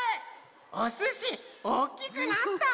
おすしおっきくなった？